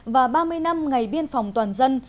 và ba mươi năm ngày biên phòng toàn dân